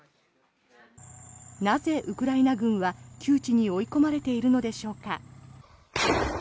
なぜ、ウクライナ軍は窮地に追い込まれているのでしょうか。